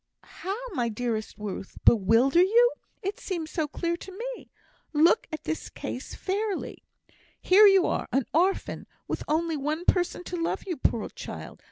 "How, my dearest Ruth? Bewilder you! It seems so clear to me. Look at the case fairly! Here you are, an orphan, with only one person to love you, poor child!